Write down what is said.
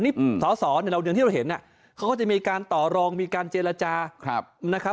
นี่สอสอเนี่ยเราอย่างที่เราเห็นเขาก็จะมีการต่อรองมีการเจรจานะครับ